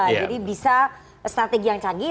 jadi bisa strategi yang canggih